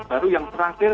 baru yang terakhir